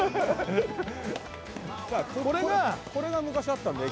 これが昔あったんだよ